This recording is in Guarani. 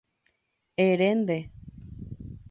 Ere nde.